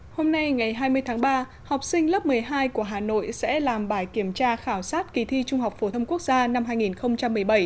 hôm nay ngày hai mươi tháng ba học sinh lớp một mươi hai của hà nội sẽ làm bài kiểm tra khảo sát kỳ thi trung học phổ thông quốc gia năm hai nghìn một mươi bảy